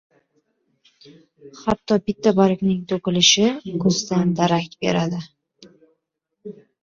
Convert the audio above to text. • Hatto bitta bargning to‘kilishi kuzdan darak beradi.